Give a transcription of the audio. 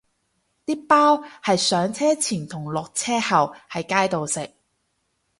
啲包係上車前同落車後喺街度食